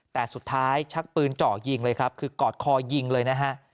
แต่สุดท้ายชักปืนเจาะยิงเลยครับคือกอดคอยิงเลยนะฮะ